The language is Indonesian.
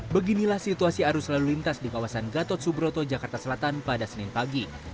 beginilah situasi arus lalu lintas di kawasan gatot subroto jakarta selatan pada senin pagi